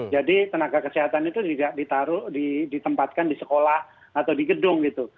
jadi tenaga kesehatan itu tidak ditaruh ditempatkan di sekolah atau di gedung gitu